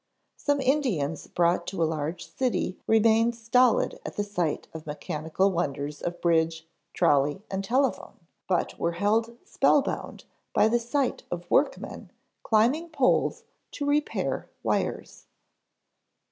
Some Indians brought to a large city remained stolid at the sight of mechanical wonders of bridge, trolley, and telephone, but were held spellbound by the sight of workmen climbing poles to repair wires.